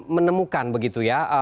menemukan begitu ya